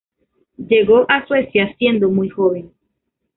Llegó a Suecia siendo muy joven.